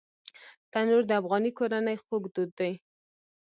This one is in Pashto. تنور د افغاني کورنۍ خوږ دود دی